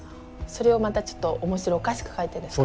それをまたちょっと面白おかしく書いてるんですか？